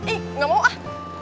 ih gak mau ah